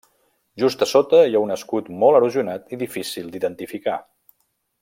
Just a sota hi ha un escut molt erosionat i difícil d'identificar.